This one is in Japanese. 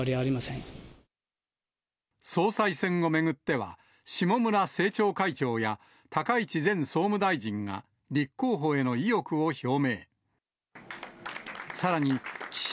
総裁選を巡っては、下村政調会長や高市前総務大臣が立候補への意欲を表明。